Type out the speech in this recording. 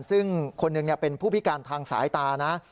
ซึ่งคนหนึ่งเป็นผู้พิการทางสายตานะ